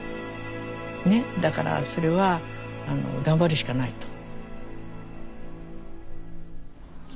だからそれは頑張るしかないと。